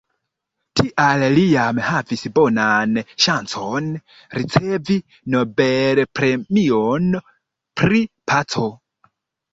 Tial li jam havis bonan ŝancon ricevi Nobel-premion pri paco.